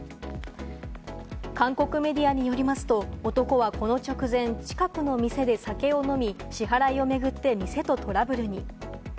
韓国メディアによりますと、男はこの直前、近くの店で酒を飲み、支払いを巡って店とトラブルに。